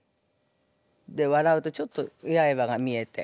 笑うとちょっとやえばが見えて。